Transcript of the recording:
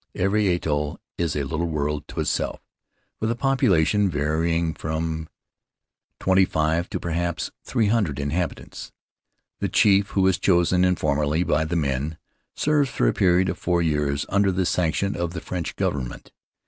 Every atoll is a little world to itself with a population varying from twenty five to perhaps three hundred inhabitants. The chief, who is chosen informally by the men, serves for a period of four years under the sanction of the French government.